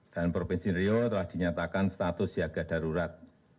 dan provinsi rio telah dinyatakan status siaga darurat